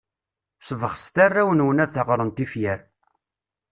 Sbeɣset arraw-nwen ad d-ɣren tifyar.